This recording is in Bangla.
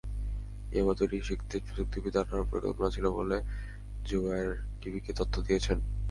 ইয়াবা তৈরি শিখতে প্রযুক্তিবিদ আনার পরিকল্পনা ছিল বলে জুবায়ের ডিবিকে তথ্য দিয়েছেন।